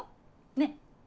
ねっ。